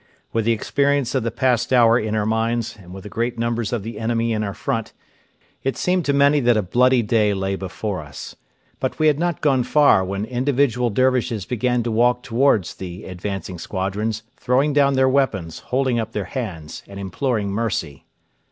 With the experience of the past hour in our minds, and with the great numbers of the enemy in our front, it seemed to many that a bloody day lay before us. But we had not gone far when individual Dervishes began to walk towards the advancing squadrons, throwing down their weapons, holding up their hands, and imploring mercy.